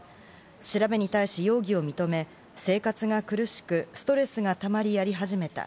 調べに対し容疑を認め、生活が苦しく、ストレスがたまり、やり始めた。